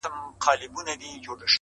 ه کله داسي ښکاري -